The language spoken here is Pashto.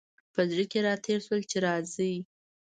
په زړه کي را تېر شول چي راځي !